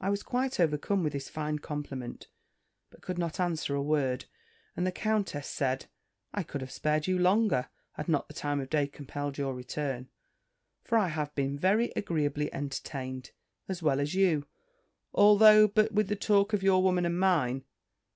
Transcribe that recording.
I was quite overcome with this fine compliment, but could not answer a word: and the countess said, "I could have spared you longer, had not the time of day compelled your return; for I have been very agreeably entertained, as well as you, although but with the talk of your woman and mine.